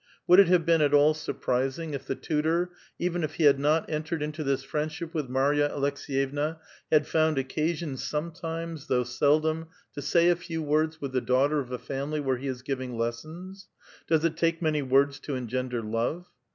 Would it have been at all surprising if the tutor, even if he had not entered into this f riendshi[) with Marya Aleks6yevna, had found occasion some times, though seldom, to say a few words with the daughter of a family where he is giving lessons ? Does it take many words to engender love?